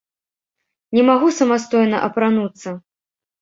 Не магу самастойна апрануцца.